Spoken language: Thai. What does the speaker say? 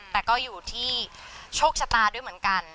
แต่ก็อยู่ที่โชคชะตาด้วยเหมือนกัน